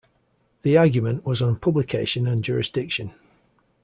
The argument was on publication and jurisdiction.